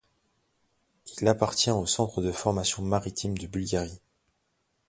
Il appartient au Centre de formation maritime de Bulgarie.